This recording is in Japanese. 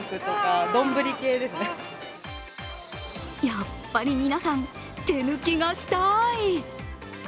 やっぱり皆さん、手抜きがしたい。